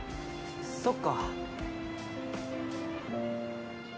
そっか。